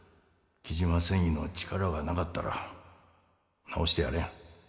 雉真繊維の力がなかったら治してやれん。